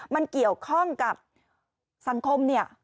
มันเกี่ยวข้องกับสังคมเนี่ย